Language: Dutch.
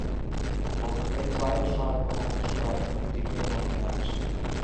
We mogen geen twijfels zaaien of verspreiden, want die brengen ons nergens.